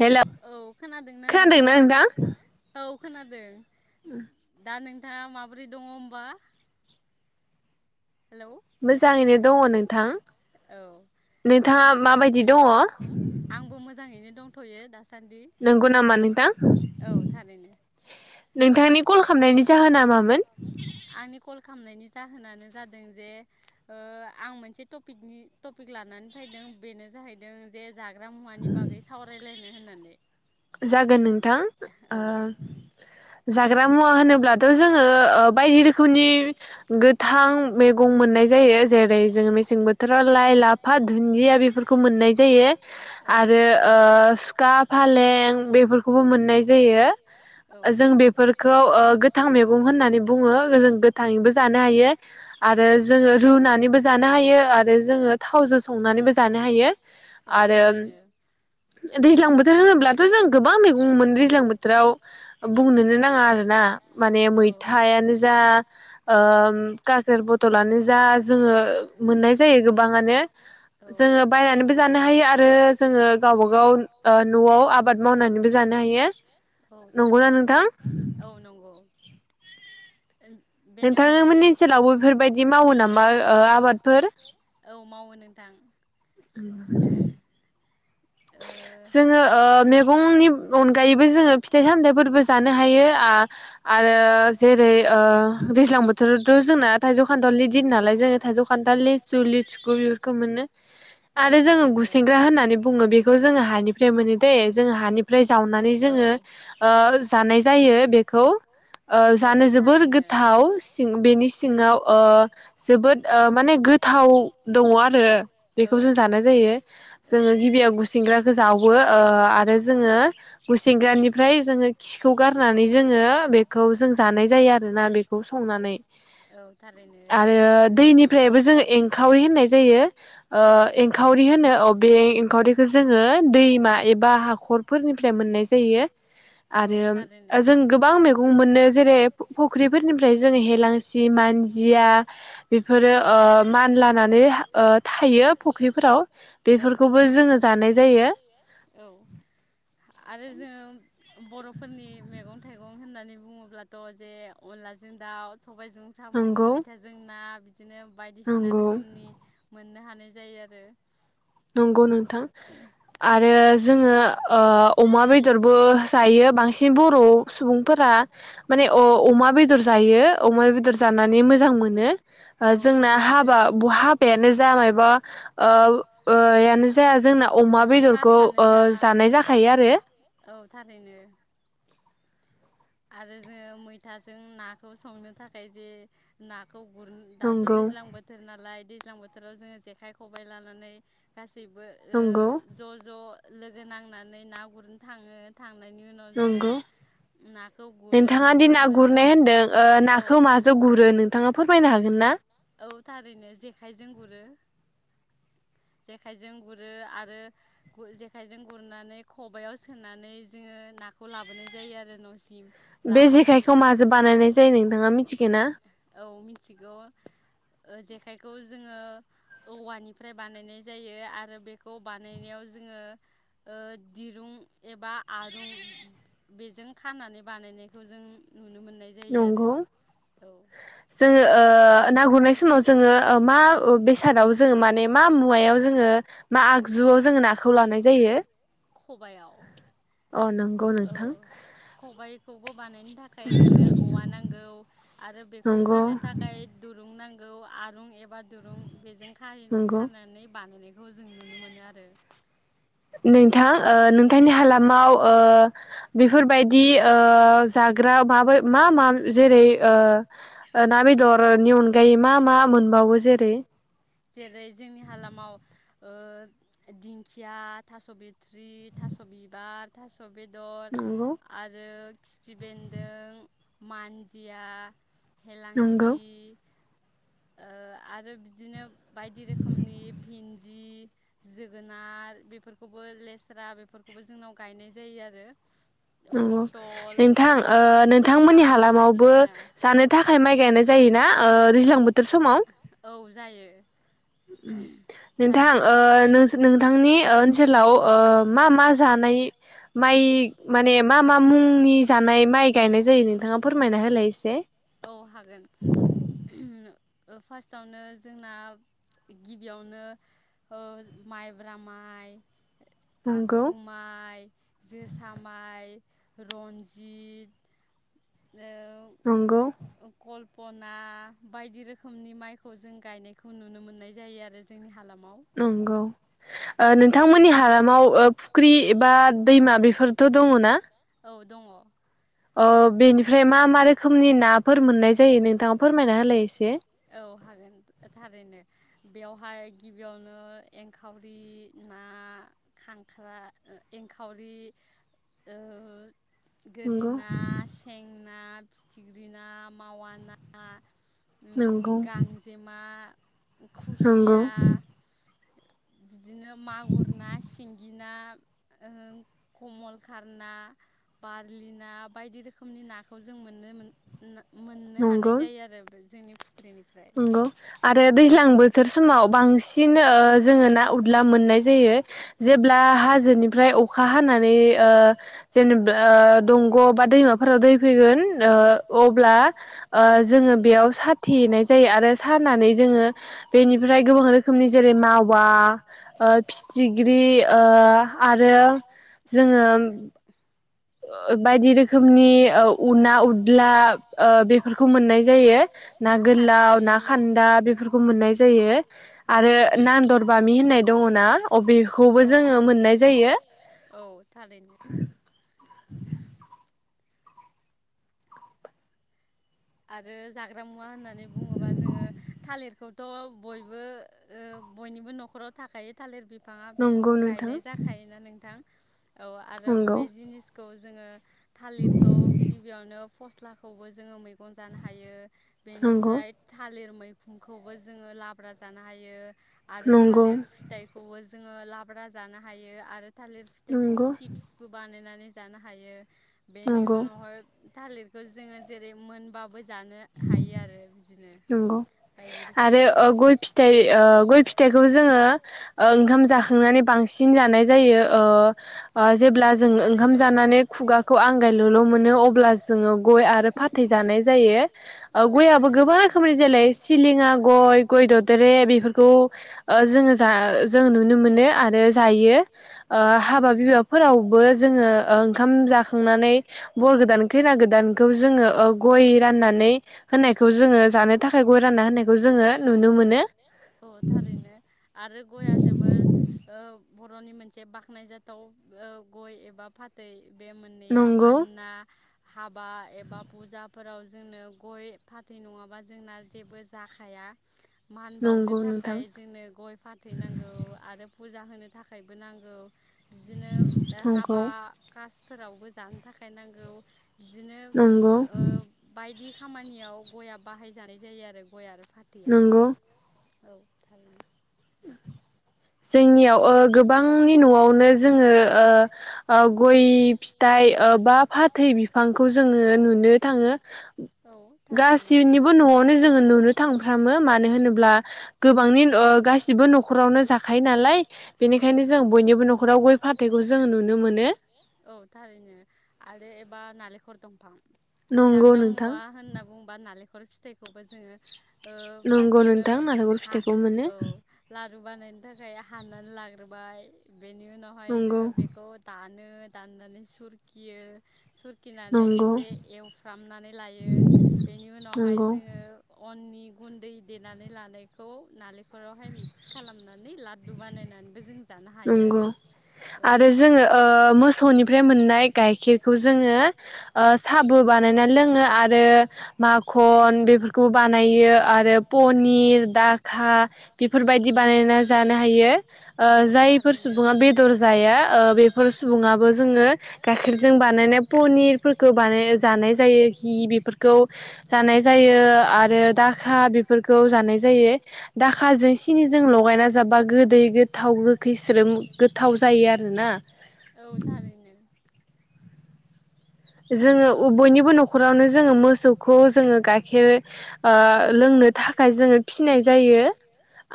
हेल' खोनदोंना नोंथां। खोनादों ओम दा नोंथाङा माबोरै दङ होमबा होलौ मोजांयैनो दंङ नोंथां औ नोंथाङा माबायदि दंङ आंबो मोजाङैनो दं थ'यो दास सान्दि नोंगौ नामा नोंथां औ थारैनो नोंथांनि कल खामनायनि जाहोना मामोन? आनि कल खामनाय नि जा जाहोनानो जादों जों जे ओ आं मोनसे टपिक नि टपिक लानानै फैदों बेनो जाहैदों जे जाग्रा मुवानि बागै सावरायलाय हो होननानै। जागोन नोंथां ओ जाग्रा मुवा होनोब्लाथ' जोङो बायदि रोखोमनि गोथां मैगं मोननाय जायो जेरै जोङो मेसें बोथोराव लाइ लाफा दुन्दिया बेफोरखौ मोननाय जायो आरो ओ सुखा फाले जों बेफोरखौबो मोननाय जायो जों बेफोरखो गोथां मैगं होननानै बुङो जों गोथाङैबो जानो हायो आरो जोङो रुनानैबो जानो हायो आरो जोङो थावजों संनानैबो जानो हायो आरो दैज्लां बोथोर होनोब्ला जों गोबां मैगंमोन दैज्लां बोथोराव बुंनोनो नाङा आ आरोना माने मैथायानो जा ओम खाखेर पथल आनो जा जोङो मोननाय जायो गोबां आनो जोङो बायनानैबो जानो हायो आरो जोङो गावबा गाव ओ न'आव आब आबाद मावनानैबो जानो हायो नंगौना नोंथां। [inaudible] नोंथांङामोननि ओनसोलावबो बेफोरबायदि मावो नामा ओ आ ओ आबादफोर? दां [unintelligible] जोङो ओ मैगंनि अनगायैबो जोङो फिथाइ सामथाइफोरबो जानो हायो। आ आरो जेरै ओ दैज्लां बोथोरावथ' जोंना थाइजौ खान्थालनि दिन नालाय जोङो थाइजौ खान्थाल लिसु लिसुखु बेफोरखौ मोनो आरो जोङो गुसेंग्रा होननानै बुङो बे जों हानिफ्राय मोनो दे जों हानिफ्राय जावनानै जोङो ओ जानाय जायो। खौ ओ जानो जोबोर गोथाव सिं बेनि सिङाव ओ जोबोद ओ माने गोथाव दङ आरो बेखौ जों जानाय जायो जोंङो गिबियाव गु ग्राखौ जावो ओ आरो जोङो गुसेंग्रानिफ्राय जोंङो खिखौ गारना जोंङो बेखौ जों जानाय जायो आरोना बेखौ संनानै आरो दैनिफ्रायबो जोंङो एंखावरि होननाय जायो ओ एंखावरि होनो औ बे एंखावरि जोङो दैमा एबा हाखरफोरनिफ्राय मोननाय जायो आरो ओज जों गोबां मैगं मोनो जेरै फुख्रिफोरनिफ्राय जोङो हेेलांसि मानजिया बेफोरो ओ मानलानानै ओ थायो फुख्रिफोराव बेफोरखौबो जोङो औ आरो जोङो बर'फोरनि मेगन थाइगं होननानै बुङोब्लाथ' जे अनलाजों दाउ सबायजों साम' मैथाजों ना बिदिनो बायदिसिना रोखोमनि मोननो हानाय जायो आरो। नंगौ नोंथां आरो जोङो ओ अमा बेदरबो जायो बांसिन बर' सुबुंफोरा माने अ अमा बेदर जायो अमा बेदर जानानै मोजां मोनो ओ जोंना हाबा हाबायानो जाबायबा ओ ओ यानो जाया जोंना अमा बेदरखौ ओ जानाय जाखायो आरो औ थारैनो आरो जोङो मैथाजों नाखौ संनो थाखाय जे ना खौ गुर दाथ' दैज्लां बोथोर नालाय दैज्लां बोथोराव जोङो जेखाइ खबाइ लानानै गासै सैबो ओ ज' ज' लोगो नांनानै ना गुरन थाङो थां नंगौ नोंथाङा दि ना गुरनाय होनदों ओ नाखो माजों गुरो नोंथाङा फोरमायनो हा गोन ना? औ थारैनो जेखाइजों गुरो जेखाइजों गुरो आरो जेखाइजों गुरनानै खबाइआव सोनानै जोङो नाखौ लाबोनाय जायो आरो न'सिम। बे जेखायखौ माजों बानायनाय जायो नोंथाङा मिथिगो ना? ओ जेखाइखौ जोङो औवानिफ्राय बानायनाय जायो आरो बेखौ बानायनायाव जोङो ओ दिरुं एबा आरुं बेजों खानानै बानायनायखौ जों नंगौ जोङो ओ ना गुरनाय समाव जोङो ओ मा बेसादाव जोंङो माने मा मुवायाव जोंङो मा आगजुआव जोङो नाखौ लानाय जायो? खबाइयाव औ खबाइ खौबो बानायनो थाखाय जोंनो औवा नांगौ आरो बेखौ खानो थाखाय दुरुं नां गौ आरुं एबा दुरुं बेजों खान-खानानै बानायनाय खौ जों नुनो मोनो आरो नोंथां ओ नोंथांनि हालाम माव ओ बेफोर बायदि ओ जाग्रा माब मा मा जेरै ओ ना बेदरनि अनगायै मा मा मोनबावो जेरै जेरै जोंनि हालामाव ओ दिंखिया थास' बिथ्रि, थास' बिबार, थास' बे दर आरो खिफि बेन्दों, मान्दिया हेलांसि ओ आरो बिदिनो बायदि रोखोमनि भिन्दि जोगोनार बेफोरखौबो लेस्रा बेफोरखौबो जोंनाव गायनाय जायो आरो। नोंथां ओ नोंथांमोननि हालामावबो जानो थाखाय माइ गायानो जायोना दैज्लां बो औ जायो नोंथां ओ नोंथांनि ओ ओनसोलाव ओ मा मा जानाय माइ माने मा मा मुंनि जानाय माइ गायनाय जायो नोंथाङा फोरमायना होलाय एसे फार्स्टआवनो जोंना गिबियावनो माइब्रा माइ आखुमाइ जोसा माइ रन्जित नंगौ पना बायदि रोखोमनि माइखौ जों गायनायखौ नुनो मोननाय जायो आरो जोंनि हालामाव। नंगौ ओ नोंथांमोननि हालामाव ओ फुख्रि एबा दैमा बेफोरथ' दङ ना? औ दङ अ बेनिफ्राय मा मा रोखोमनि ना औ हागोन थारैनो बेवहाय गिबियावनो एंखावरि ना खांख्रा एंखावरि गोरिना सेंना फिथिग्रि ना मावा ना गांजेमा खुसिया बिदिनो मागुर ना सिंगि ना ओ कमल खार ना, बारलि ना बायदि रोखोमनि नाखौ जों मोननो मोन मोननो हानाय जायो आरो जोंनि नंगौ आरो दैज्लां बोथोर समाव बांसिन ओ जोङो ना उदला मोननाय जायो जेब्ला हाजोनिफ्राय अखा हानानै ओ जेनेबा दंग' बा दैमाफोराव दै फैगोन ओ अ ब्ला ओ जोङो बेयाव साथिनाय जायो आरो सारानानै जोङो बेनिफ्राय गोबां रोखोमनि जेरै मावा ओ फिथिख्रि ओ आरो जोङो बायदि रोखोमनि ओ उना उदला था ओ बेफोरखौ मोननाय जायो ना गोलाव ना खान्दा बेफोरखौ मोननाय जायो आरो नादर बामि होननाय दङ ना अबेखौबो जोङो मोननाय जायो। आरो जाग्रा मुवा होननानै बुङोबा जोङो थालिरखौथ' बयबो ओ बयनिबो न'खराव थाखायो थालिर बि फाङा बेखौ गायनाय जाखायोना नोंथां? औ आरो बे जिनिसखौ जोङो थालिरखौ गिबियावनो फस स्लाखौबो जोङो मै गं जानो हायो बेनिफ्राय थालिर मै खुनखौबो जोङो लाब्रा जानो हायो। आरो थालिर फिथाइखौबो जोङो लाब्रा जानो हायो आरो थालिर फिथाइखौ सिप्सबो बानायना नै जानो हायो। बेनि उनाव हाय थालिर जोङो जेरै मोन बो जानो हायो आरो नंगौ आरो ओ गय फिथाइ ओ गय फिथाइखौ जोङो ओंखाम जाखांनानै बांसिन जानाय जायो। ओ जेब्ला जों ओंखाम जानानै खुगाखौ आंगायल'ल मोनो अब्ला जोङो गय आरो फाथै जानाय जायो गयबो गोबा खोमनि जोलै सिलिङा गय गय ददेरे बेफोरखौ ओ जोङो जा जोंङो नुनो मोनो आरो जायो ओ हाबा बिबाफोरावबो जोङो ओ ओंखाम जाखांनानै बर गोदान खैना गोदानखौ जोङो ओ गय गाननानै होनायखौ जोङो जानो थाखाय गय रानना होनायखौ जोङो नुनो मोनो औ थारैनो आरो गयआ जोबोर बरनि मोनसे बाखनायजाथाव गय एबा फाथै। बे मोननैया माना हाबा एबा फुजा। फोराव जोंनो गय फाथै नङाबा जोंना जेबो जाखाया। मान बावनो थाखाय जोंनो गय फाथैनांगौ आरो फुजा होनो थाखायबो नांगौ। बिदिनो हाबा खासि फोरावबो जानो थाखाय नांगौ नंगौ बायदि खामानियाव गया बाहायजानाय जायो आरो गय आरो। नंगौ औ थारैनो [inaudible] जोंनियाव ओ गोबांनि नआवनो जोङो गय फिथाइ ओ बा फाथै बिफांखौ जोङो नुनो थाङो गासिनिबो ओ नआवनो जोङो नुनो थांफ्रामो मानो होनोब्ला गोबांनि गासिबो नखरावनो जाखायो। खायो नालाय [unintelligible] औ थारैनो आरो एबा नाले [unintelligible] दंफां जाग्रा मुवा होनना बुंङोबा नालेंखर फिथाइखौबो जोङो अ फार्स्टआवनो ह औ लारु बानायनो थाखाय हाननानै लाग्रोबाय बेनि उनावहाय जोङो बेखौ दानो नो दनानै सखियो ‌रुखिनानै एसे एवफ्रामनानै लायो बेनि उनावहाय जोङो अननि गुन्दै देनानै लानायखौ नालेंखर वहाय मिक्स खालामनानै ला बानायनानै बे जों नंगौ आरो जोङो मोसौनिफ्राय मोननाय गाइखेरखौ जोङो साबो बानायना लोङो आरो माखन बेफोरखौ बानायो आरो पनिर दाखा बेफोरबायदि बानायना जानो हायो बे ओ जायफोर सुबुङा बेदर जाया बेफोर सुबुङाबो जोङो गाइखेरजों बानायनाय पनिरफोरखौ बानाय जानाय जायो घि बेफोरखौ जानाय जायो आरो दाखा बेफोरखौ जानाय जायो दाखाजों सिनिजों लगायना जाब्बा गोदै गोथाव हो स गोथाव जायो आरोना औ थारैनो जोङो बयनिबो न'खरावनो जोङो मोसौखौ जोङो गाइखेर ओ लोंनो थाखाय जोङो फिनाय जायो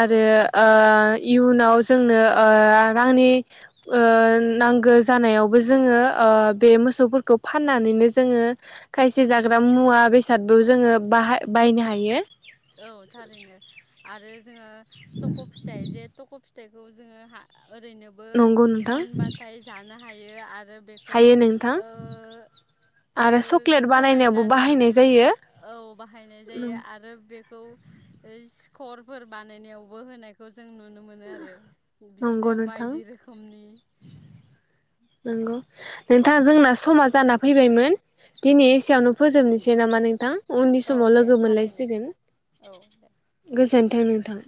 आरो ओ इयुनाव जोंनो रांनि ओ नांगौ जानायावबो जोङो ओ बे मोसौफोरखौ फाननानैनो जोङो खायसे जाग्रा मुवा बेसादबो जोङो बाह बायनो हायो। जोङो तक फिथाय जे तक फिथाइखौ जोङो हा ओरैनोबो मोनबाथाय जानो ह हायो आरो बेखौ ओ आरो फोराननानै औ बाहायनाय जायो। आरो बेखौ सकर फोर बानायनायावबो होनायखौ जों नुनो मोनो आरो बिदिनो बायदि रोखोमनि नंगौ नोंथाङा जोंना समा जाना फैबायमोन। दिनै एसेयावनो फोजोबनोसै नामा नोंथां? उननि समाव लोगो मोनलायसिगोन गोजोनथों नोंथां।